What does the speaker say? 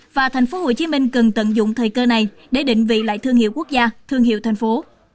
và thành phố hồ chí minh cần tận dụng thời cơ này để định vị lại thương hiệu quốc gia thương hiệu thành phố